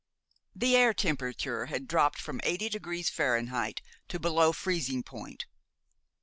The air temperature had dropped from eighty degrees Fahrenheit to below freezing point.